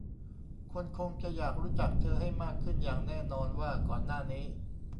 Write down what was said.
คนคงจะอยากรู้จักเธอให้มากขึ้นอย่างแน่นอนว่าก่อนหน้านี้